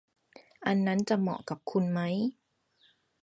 อันนั้นจะเหมาะกับคุณไหม